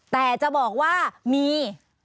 แต่จะบอกว่ามี